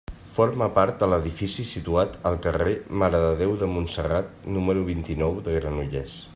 Forma part de l'edifici situat al carrer Mare de Déu de Montserrat, número vint-i-nou, de Granollers.